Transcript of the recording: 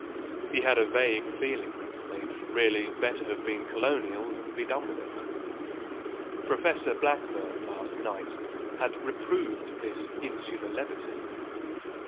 He had a vague feeling that they'd really better have been Colonials and be done with it. Professor Blackburn last night had reproved this insular levity.